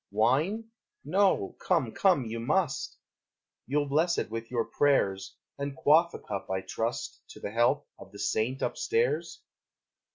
Wine? No? Come, come, you must! You'll bless it with your prayers, And quaff a cup, I trust, To the health of the saint up stairs?